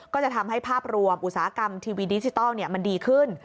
ก็จะทำให้ภาพรวมอุตสาหกรรมทีวีดิจิทัลมันดีขึ้น